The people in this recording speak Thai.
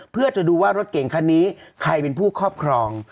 เพื่อจะดูว่ารถเก่งคันนี้ใครเป็นผู้ครอบครอง